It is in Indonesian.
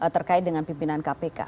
terkait dengan pimpinan kpk